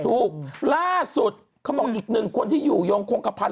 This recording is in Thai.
ล่าสุดเขาบอกอีกหนึ่งคนที่อยู่ยงคงกระพันธ